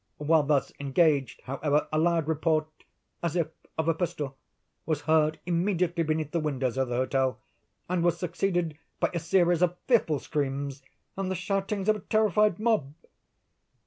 While thus engaged, however, a loud report, as if of a pistol, was heard immediately beneath the windows of the hotel, and was succeeded by a series of fearful screams, and the shoutings of a terrified mob.